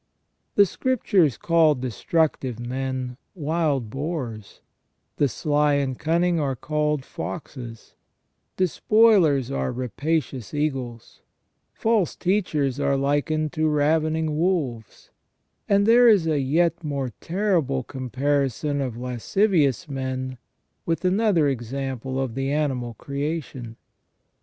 The Scriptures call destructive men wild boars ; the sly and cunning are called foxes ; despoilers are rapacious eagles 3 false teachers are likened to ravening wolves ; and there is a yet more terrible comparison of lascivious men with another example of the animal creation.